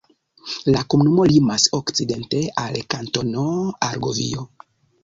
La komunumo limas okcidente al la Kantono Argovio.